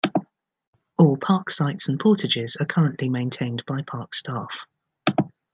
All park sites and portages are currently maintained by park staff.